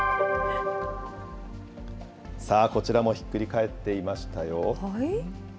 さあこちらもひっくりかえっていましたよ。